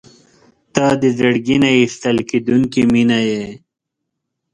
• ته د زړګي نه ایستل کېدونکې مینه یې.